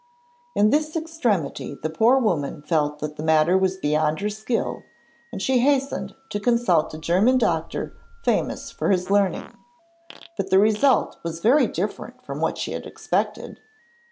In this extremity the poor woman felt that the matter was beyond her skill, and she hastened to consult a German doctor famous for his learning. But the result was very different from what she had expected.